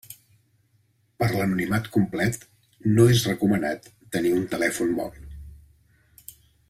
Per a l'anonimat complet no és recomanat tenir un telèfon mòbil.